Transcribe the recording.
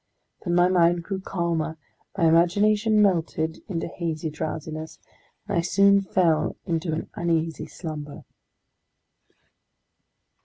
! Then my mind grew calmer, my imagination melted into hazy drowsiness, and I soon fell into an uneasy slumber.